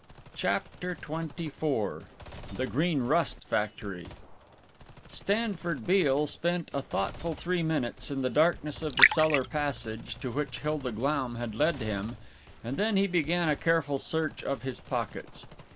CHAPTER XXIV THE GREEN RUST FACTORY Stanford Beale spent a thoughtful three minutes in the darkness of the cellar passage to which Hilda Glaum had led him and then he began a careful search of his pockets.